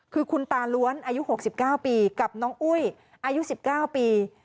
คือคุณตาล้วนอายุ๖๙ปีกับน้องอุ้ยอายุ๑๙ปี